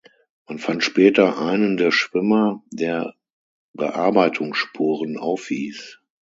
Man fand später einen der Schwimmer, der Bearbeitungsspuren aufwies.